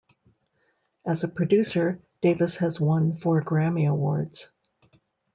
As a producer, Davis has won four Grammy Awards.